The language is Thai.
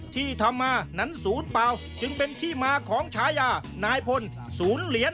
ที่ทำมานั้นศูนย์เปล่าจึงเป็นที่มาของฉายานายพลศูนย์เหรียญ